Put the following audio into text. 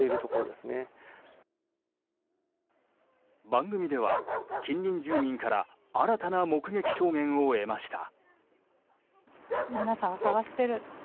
番組では近隣住民から新たな目撃証言を得ました。